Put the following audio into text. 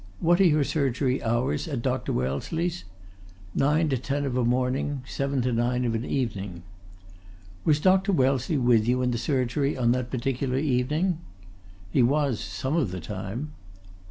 "What are your surgery hours at Dr. Wellesley's?" "Nine to ten of a morning; seven to nine of an evening." "Was Dr. Wellesley with you in the surgery on that particular evening?" "He was some of the time."